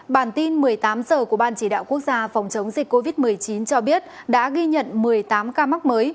bản tin một mươi tám h của ban chỉ đạo quốc gia phòng chống dịch covid một mươi chín cho biết đã ghi nhận một mươi tám ca mắc mới